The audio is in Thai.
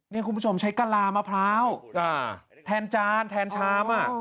นี่คุณผู้ชมใช้กะลามะพร้าวแทนจานแทนชาม